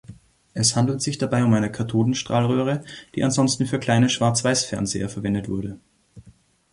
Es handelt sich dabei um eine Kathodenstrahlröhre, die ansonsten für kleine Schwarz-Weiß-Fernseher verwendet wurde.